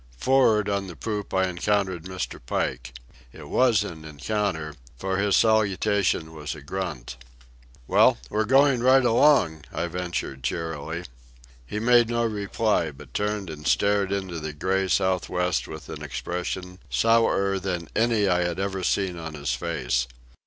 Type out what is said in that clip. For'ard, on the poop, I encountered Mr. Pike. It was an encounter, for his salutation was a grunt. "Well, we're going right along," I ventured cheerily. He made no reply, but turned and stared into the gray south west with an expression sourer than any I had ever seen on his face.